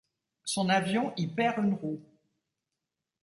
Son avion y perd une roue.